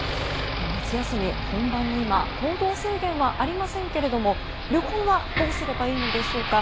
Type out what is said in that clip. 夏休み本番の今行動制限はありませんけれども旅行はどうすればいいのでしょうか。